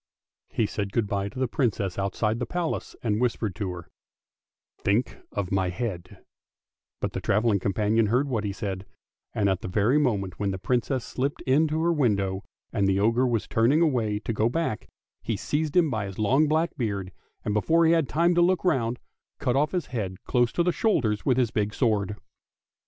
He said good bye to the Princess outside the Palace, and whispered to her, " Think of my head," but the travelling companion heard what he said, and at the very moment when the Princess slipped in at her window, and the ogre was turning away to go back, he seized him by his long black beard, and before he had time to look round, cut off his head close to the shoulders with his big sword.